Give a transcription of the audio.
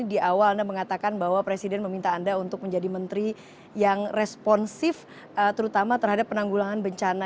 di awal anda mengatakan bahwa presiden meminta anda untuk menjadi menteri yang responsif terutama terhadap penanggulangan bencana